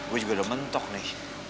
gue juga udah mentok nih